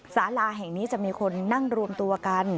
สาราแห่งนี้จะมีคนนั่งรวมตัวกัน